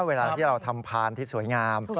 เวลาที่เราทำพานที่สวยงาม